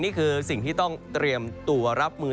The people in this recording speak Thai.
นี่คือสิ่งที่ต้องเตรียมตัวรับมือ